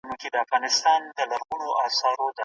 دولت به په نوو فابریکو کي پانګونه وکړي.